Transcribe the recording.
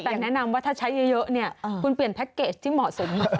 แต่แนะนำว่าถ้าใช้เยอะเนี่ยคุณเปลี่ยนแพ็คเกจที่เหมาะสม